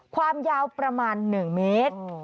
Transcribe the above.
ความยาวประมาณหนึ่งเมตร